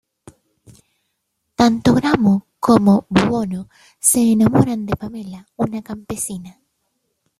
Tanto Gramo como Buono se enamoran de Pamela, una campesina.